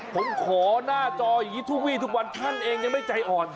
ผมขอหน้าจออย่างนี้ทุกวีทุกวันท่านเองยังไม่ใจอ่อน